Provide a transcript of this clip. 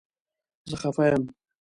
زه خفه یم